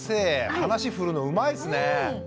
話振るのうまいですね！